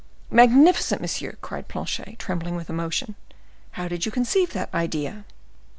"Magnificent, monsieur!" cried Planchet, trembling with emotion. "How did you conceive that idea?"